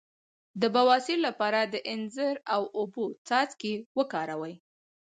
د بواسیر لپاره د انځر او اوبو څاڅکي وکاروئ